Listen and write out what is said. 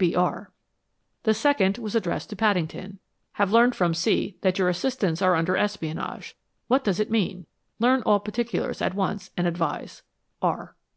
B. R. The second was addressed to Paddington: Have learned from C. that your assistants are under espionage. What does it mean? Learn all particulars at once and advise. R.